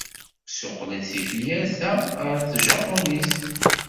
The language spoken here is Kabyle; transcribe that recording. Ssuqqel-d tifyar-a ɣer tjapunit.